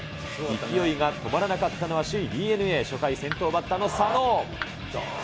勢いが止まらなかったのは、首位ＤｅＮＡ、先頭バッターの佐野。